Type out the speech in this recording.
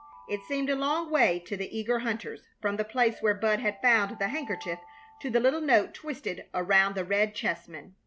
It seemed a long way to the eager hunters, from the place where Bud had found the handkerchief to the little note twisted around the red chessman.